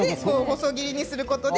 細切りにすることで。